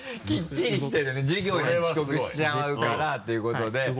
きっちりしてるね授業に遅刻しちゃうからということで。